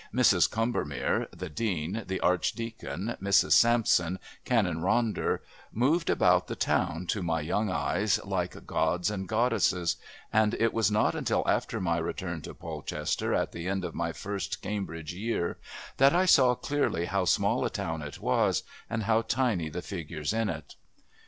Mrs. Combermere, the Dean, the Archdeacon, Mrs. Sampson, Canon Ronder, moved about the town, to my young eyes, like gods and goddesses, and it was not until after my return to Polchester at the end of my first Cambridge year that I saw clearly how small a town it was and how tiny the figures in it.